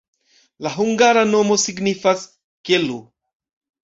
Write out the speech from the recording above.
La hungara nomo signifas: kelo.